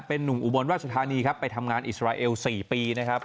เป็นนุ่มอุบลราชธานีครับไปทำงานอิสราเอล๔ปีนะครับ